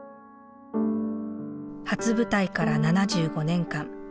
初舞台から７５年間。